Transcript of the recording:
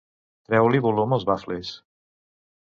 Treu-li volum als bafles.